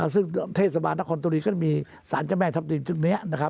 ซึ่งเทศบาลนครตุบรีก็จะมีสารเจ้าแม่ทัพทิมจึงนี้